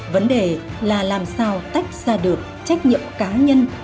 vấn đề là làm sao tách ra được trách nhiệm cá nhân